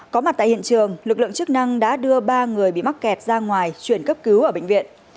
có mặt tại hiện trường lực lượng chức năng đã đưa ba người bị mắc kẹt ra ngoài chuyển cấp cứu ở bệnh viện